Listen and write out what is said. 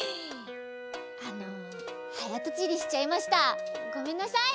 あのはやとちりしちゃいました。ごめんなさい！